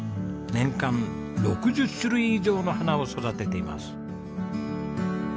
年間６０種類以上の花を育てています。